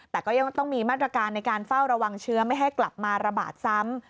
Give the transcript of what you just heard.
แต่ก็ยังต้องมีมาตรการในการเฝ้าระวังเชื้อไม่ให้กลับมาระบาดซ้ำ